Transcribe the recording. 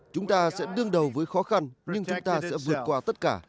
chúng ta sẽ đương đầu với khó khăn nhưng chúng ta sẽ vượt qua tất cả